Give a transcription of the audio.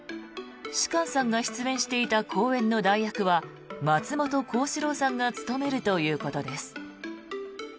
芝翫さんが出演していた公演の代役は松本幸四郎さんが務めるということです。